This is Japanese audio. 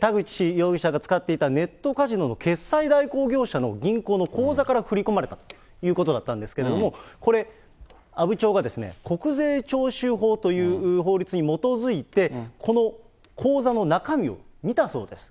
田口容疑者が使っていたネットカジノの決済代行業者の銀行の口座から振り込まれたということだったんですけど、これ、阿武町が国税徴収法という法律に基づいて、この口座の中身を見たそうです。